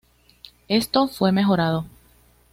Esto fue mejorado.